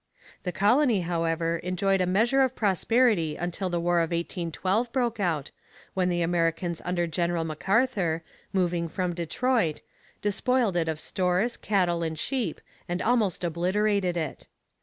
The colony, however, enjoyed a measure of prosperity until the War of 1812 broke out, when the Americans under General M'Arthur, moving from Detroit, despoiled it of stores, cattle, and sheep, and almost obliterated it.